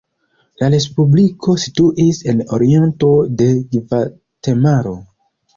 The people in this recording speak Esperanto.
La respubliko situis en oriento de Gvatemalo.